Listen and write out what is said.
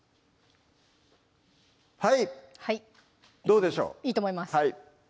はいどうでしょういいと思います